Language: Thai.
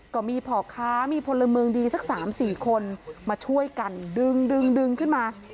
ก็มีพ่อค้ามีพลเมืองดีสัก๓๔คนมาช่วยกันดึงดึงขึ้นมา